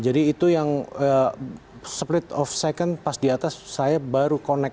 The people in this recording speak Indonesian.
jadi itu yang split of second pas di atas saya baru connect